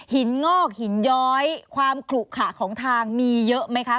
งอกหินย้อยความขลุขะของทางมีเยอะไหมคะ